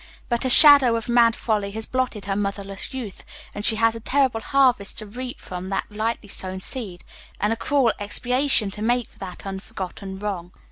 But a shadow of mad folly has blotted her motherless youth, and she has a terrible harvest to reap from that lightly sown seed, and a cruel expiation to make for that unforgotten wrong.